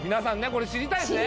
これ知りたいですね